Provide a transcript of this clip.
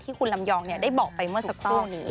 คุณลำยองได้บอกไปเมื่อสักครู่นี้